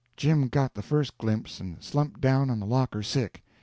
Jim got the first glimpse, and slumped down on the locker sick.